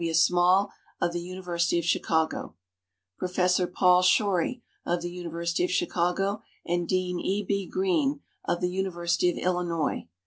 W. Small, of the University of Chicago; Professor Paul Shorey, of the University of Chicago, and Dean E. B. Greene, of the University of Illinois.